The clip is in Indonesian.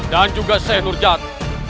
dan juga saya nurjat